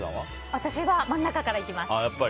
私は真ん中からいきます。